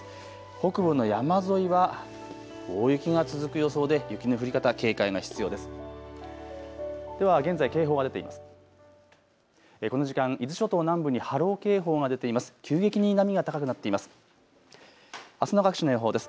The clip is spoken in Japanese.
北部の山沿いは大雪が続く予想で雪の降り方警戒が必要です。